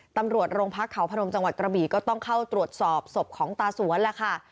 ตำรวจโรงพักเขาพนมจังหวัดกระบี่ก็ต้องเข้าตรวจสอบศพของตาสวนล่ะค่ะ